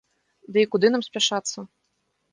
Ды і куды нам спяшацца?